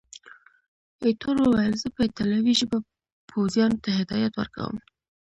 ایټور وویل، زه په ایټالوي ژبه پوځیانو ته هدایات ورکوم.